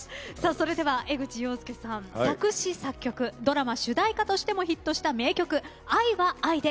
それでは江口洋介さん作詞作曲ドラマ主題歌としてもヒットした名曲「愛は愛で」